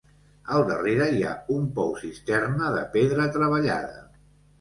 Al darrere hi ha un pou-cisterna de pedra treballada.